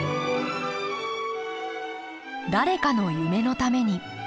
誰かの夢のために。